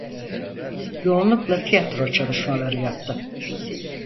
Yoğunlukla tiyatro çalışmaları yaptı.